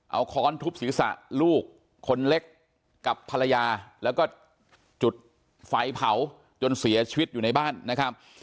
เอาค้อนทุบศีรษะลูกคนเล็กกับภรรยาแล้วก็จุดไฟเผาจนเสียชีวิตอยู่ในบ้านนะครับ